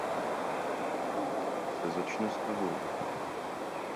Kruh se začne stahovat.